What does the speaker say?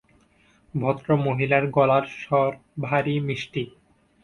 ভদ্রমহিলার গলার স্বর ভারি মিষ্টি।